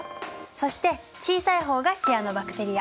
そして小さい方がシアノバクテリア。